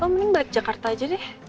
mending mbak jakarta aja deh